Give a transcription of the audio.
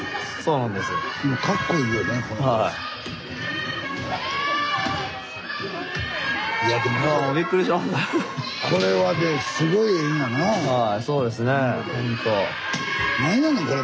なんやねんこれ。